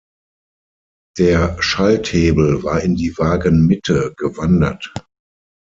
Der Schalthebel war in die Wagenmitte gewandert.